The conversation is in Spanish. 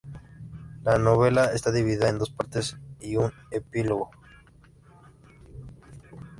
La novela está dividida en dos partes y un epílogo.